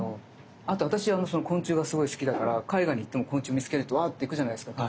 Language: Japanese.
あと私は昆虫がすごい好きだから海外に行っても昆虫見つけるとわって行くじゃないですか。